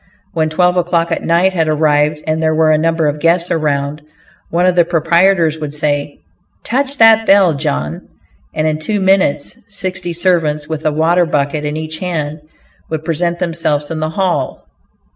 When twelve o'clock at night had arrived, and there were a number of guests around, one of the proprietors would say, "Touch that bell, John;" and in two minutes sixty servants, with a water bucket in each hand, would present themselves in the hall.